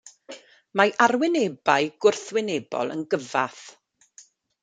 Mae arwynebau gwrthwynebol yn gyfath.